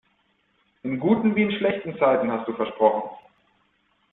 In guten wie in schlechten Zeiten, hast du versprochen!